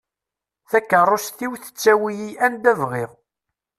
Takerrust-iw tettawi-iyi anda bɣiɣ;